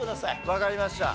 わかりました。